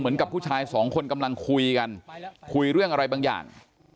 ผู้ชายสองคนกำลังคุยกันคุยเรื่องอะไรบางอย่าง